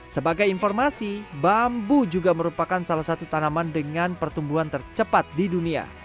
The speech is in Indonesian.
sebagai informasi bambu juga merupakan salah satu tanaman dengan pertumbuhan tercepat di dunia